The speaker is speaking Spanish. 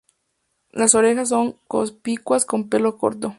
Las orejas son conspicuas con pelo corto.